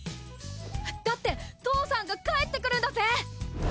だって父さんが帰ってくるんだぜ！